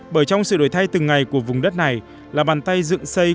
bởi trong sự đổi thay từng ngày của vùng đất này là bàn tay dựng xây